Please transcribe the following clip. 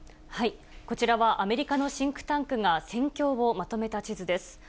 こちらはアメリカのシンクタンクが戦況をまとめた地図です。